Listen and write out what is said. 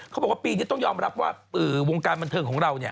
เขาบอกว่าปีนี้ต้องยอมรับว่าวงการบันเทิงของเราเนี่ย